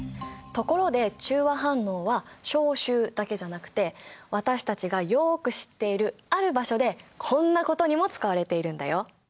ところで中和反応は消臭だけじゃなくて私たちがよく知っているある場所でこんなことにも使われているんだよ。